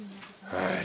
はい！